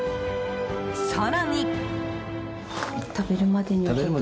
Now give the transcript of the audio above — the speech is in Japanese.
更に。